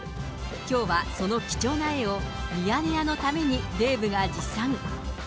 きょうはその貴重な絵を、ミヤネ屋のために、デーブが持参。